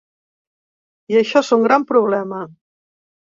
I això és un gran problema.